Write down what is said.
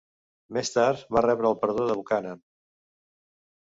Més tard, va rebre el perdó de Buchanan.